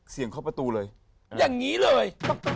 เข้าประตูเลยอย่างนี้เลย